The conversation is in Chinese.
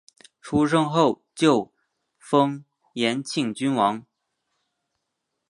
出生后就封延庆郡王。